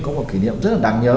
có một kỉ niệm rất là đáng nhớ